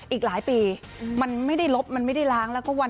อีกหลายปีมันไม่ได้ลบมันไม่ได้ล้าง